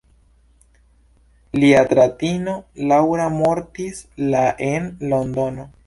Lia fratino, Laura, mortis la en Londono.